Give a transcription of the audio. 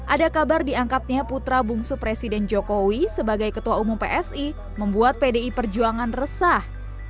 ada kabar diangkatnya putra bungsu presiden jokowi sebagai ketua umum psi membuat pdi perjuangan resah